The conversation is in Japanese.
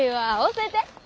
教えて！